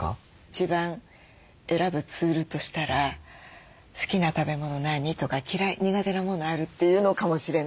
一番選ぶツールとしたら「好きな食べ物何？」とか「嫌い苦手なものある？」って言うのかもしれない。